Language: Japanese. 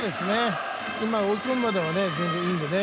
今、追い込むまでは全然いいんでね。